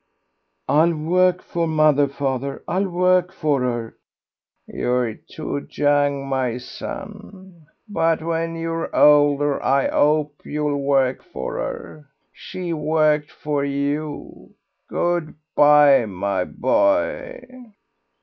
"I'll work for mother, father, I'll work for her." "You're too young, my son, but when you're older I hope you'll work for her. She worked for you.... Good bye, my boy."